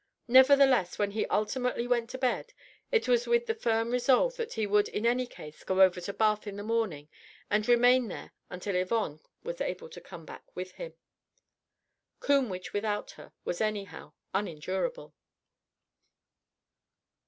Nevertheless when he ultimately went to bed, it was with the firm resolve that he would in any case go over to Bath in the morning and remain there until Yvonne was able to come back with him. Combwich without her was anyhow unendurable.